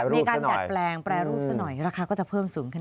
มีการดัดแปลงแปรรูปซะหน่อยราคาก็จะเพิ่มสูงขึ้น